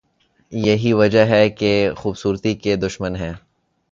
یہی وجہ ہے کہ ہم خوبصورتی کے دشمن ہیں۔